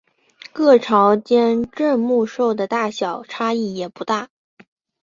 各朝间镇墓兽的大小差异也不大。